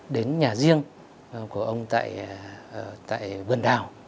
đến nhà riêng của ông tại vườn đào